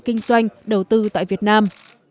kinh doanh đầu tư tại việt nam